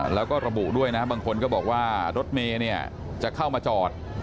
แล้วก็ระบุด้วยนะบางคนก็บอกว่ารถเมย์เนี่ยจะเข้ามาจอด